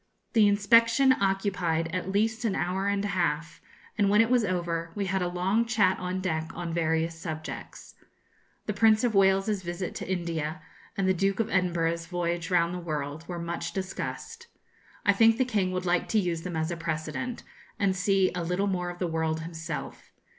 The inspection occupied at least an hour and a half; and when it was over, we had a long chat on deck on various subjects. The Prince of Wales's visit to India, and the Duke of Edinburgh's voyage round the world, were much discussed, I think the King would like to use them as a precedent, and see a little more of the world himself.